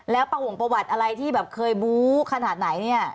แล้วประหวงประวัติอะไรที่แบบเคยบู๊ขนาดไหนเนี่ย